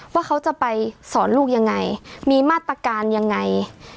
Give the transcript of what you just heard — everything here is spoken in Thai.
ว่าเขาจะไปสอนลูกยังไงมีมาตรการยังไง